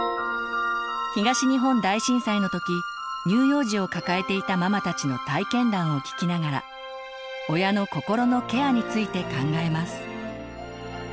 東日本大震災の時乳幼児を抱えていたママたちの体験談を聞きながら親の心のケアについて考えます。